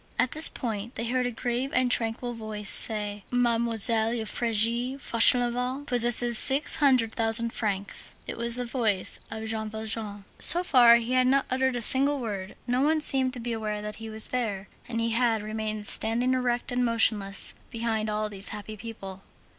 64 At this point they heard a grave and tranquil voice say: "Mademoiselle Euphrasie Fauchelevent possesses six hundred thousand francs." It was the voice of Jean Valjean. So far he had not uttered a single word, no one seemed to be aware that he was there, and he had remained standing erect and motionless, behind all these happy people.